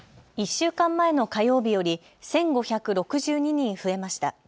１週間前の火曜日より１５６２人増えました。